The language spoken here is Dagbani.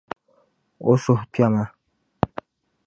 O suhu kpema.